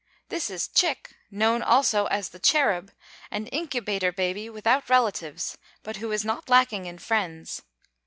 This is Chick, known also as the Cherub, an Incubator Baby without relatives, but who is not lacking in friends.